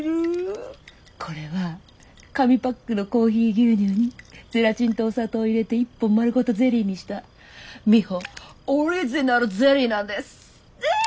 これは紙パックのコーヒー牛乳にゼラチンとお砂糖を入れて一本丸ごとゼリーにしたミホオリジナルゼリーなんです。